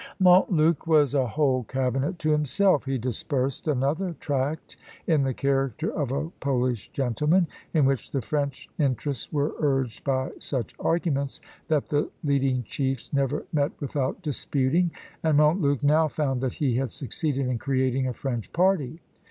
Montluc was a whole cabinet to himself: he dispersed another tract in the character of a Polish gentleman, in which the French interests were urged by such arguments, that the leading chiefs never met without disputing; and Montluc now found that he had succeeded in creating a French party.